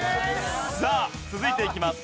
さあ続いていきます。